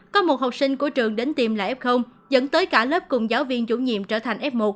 có một học sinh của trường đến tìm lại f dẫn tới cả lớp cùng giáo viên chủ nhiệm trở thành f một